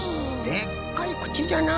でっかいくちじゃな。